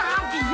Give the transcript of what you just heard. hah ada ini